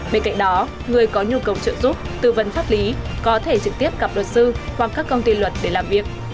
bên cạnh đó người có nhu cầu trợ giúp tư vấn pháp lý có thể trực tiếp gặp luật sư hoặc các công ty luật để làm việc